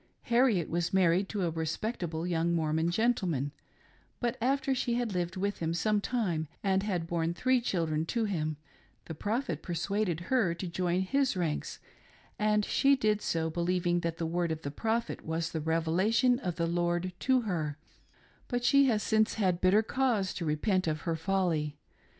Harriet was married to a respectable young Mor mon gentleman, but after she had lived with him some time and had borne three children to him, the Prophet persuaded her to join his ranks, and she did so, believing that the word of the Prophet was the revelation of the Lord to her, but she has since had bitter cause to repent of her folly.